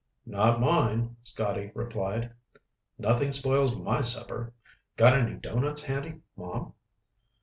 "Not mine," Scotty replied. "Nothing spoils my supper. Got any doughnuts handy, Mom?"